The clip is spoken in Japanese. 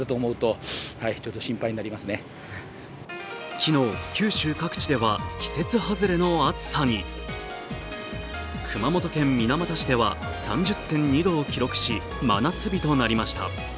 昨日、九州各地では季節外れの暑さに。熊本県水俣市では３０．２度を記録し真夏日となりました。